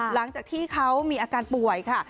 หลังจากที่เขามีอาการป่วยค่ะ